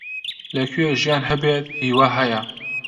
لەکوێ ژیان هەبێت، هیوا هەیە.